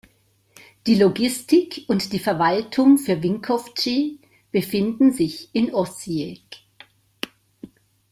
Die Logistik und die Verwaltung für Vinkovci befinden sich in Osijek.